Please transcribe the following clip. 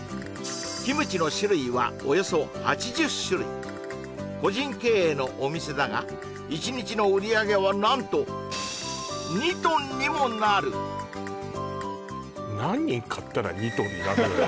キムチの種類はおよそ８０種類個人経営のお店だが１日の売り上げは何と２トンにもなる何人買ったら２トンになるのよ